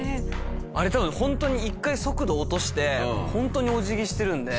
あれ多分ホントに一回速度落としてホントにお辞儀してるので。